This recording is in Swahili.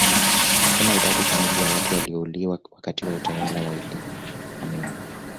hakuna idadi kamili ya watu waliouliwa wakati wa utawala wa idi amin